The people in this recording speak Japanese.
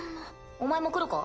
お前も来るか？